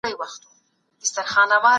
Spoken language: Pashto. خواړه باید د خوښۍ لامل وي.